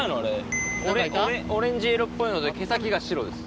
オレンジ色っぽいので毛先が白です。